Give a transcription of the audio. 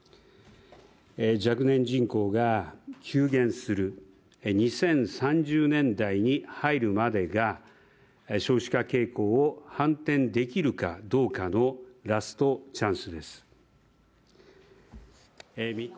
若年人口が急減する２０３０年代に入るまでが少子化傾向を反転できるかどうかのラストチャンスです。